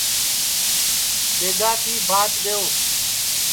دؔیگا کی بھاچ دؔیو